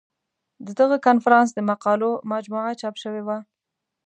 د دغه کنفرانس د مقالو مجموعه چاپ شوې وه.